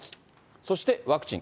そしてワクチン。